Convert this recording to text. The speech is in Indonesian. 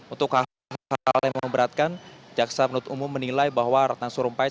untuk hal hal yang memberatkan jaksa penuntut umum menilai bahwa ratna sarumpait